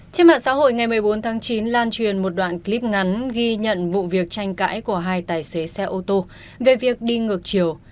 trên mạng xã hội ngày một mươi bốn tháng chín lan truyền một đoạn clip ngắn ghi nhận vụ việc tranh cãi của hai tài xế xe ô tô về việc đi ngược chiều